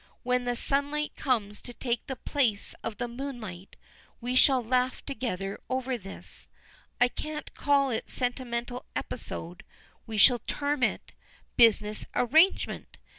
When the sunlight comes to take the place of the moonlight, we shall laugh together over this I can't call it sentimental episode, shall we term it, business arrangement?